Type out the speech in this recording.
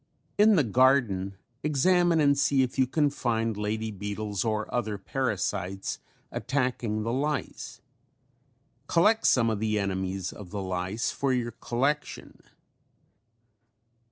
Dept. Agri.)] In the garden examine and see if you can find lady beetles or other parasites attacking the lice. Collect some of the enemies of the lice for your collection.